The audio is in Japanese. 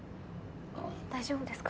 大丈夫ですか？